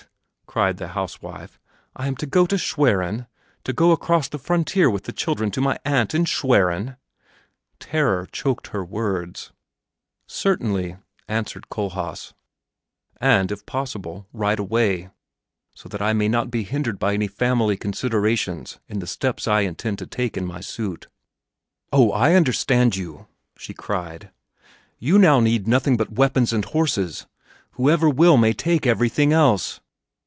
cried the housewife; "I am to go to Schwerin to go across the frontier with the children to my aunt in Schwerin?" Terror choked her words. "Certainly," answered Kohlhaas, "and, if possible, right away, so that I may not be hindered by any family considerations in the steps I intend to take in my suit." "Oh, I understand you!" she cried. "You now need nothing but weapons and horses; whoever will may take everything else!"